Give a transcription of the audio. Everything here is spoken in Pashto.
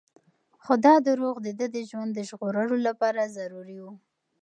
خو دا دروغ د ده د ژوند د ژغورلو لپاره ضروري وو.